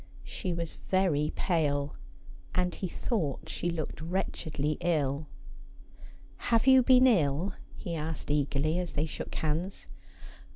She was very pale, and he thought she looked wretchedJy ill. ' Have you been ill ?' he asked eagerly, as they shook hands.